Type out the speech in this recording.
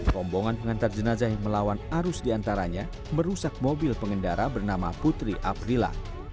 pembongan pengantar jenazah yang melawan arus di antaranya merusak mobil pengendara bernama putri aprila